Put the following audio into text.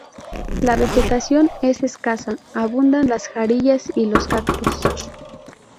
La vegetación es escasa, abundan las jarillas y los cactos.